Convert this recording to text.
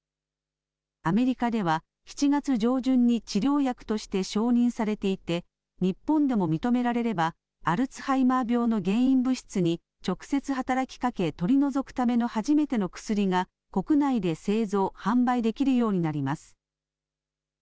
アメリカでは７月上旬に治療薬として承認されていて日本でも認められればアルツハイマー病の原因物質に直接働きかけ取り除くための初めての薬が国内で製造・販売できるようになります。